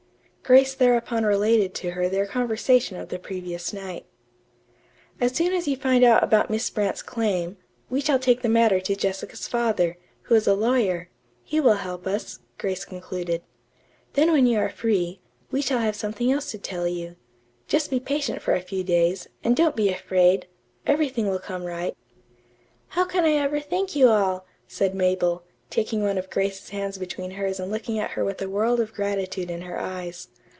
Grace thereupon related to her their conversation of the previous night. "As soon as you find out about Miss Brant's claim, we shall take the matter to Jessica's father, who is a lawyer. He will help us," Grace concluded. "Then when you are free, we shall have something else to tell you. Just be patient for a few days, and don't be afraid. Everything will come right." "How can I ever thank you all?" said Mabel, taking one of Grace's hands between hers and looking at her with a world of gratitude in her eyes.